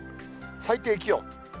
最低気温。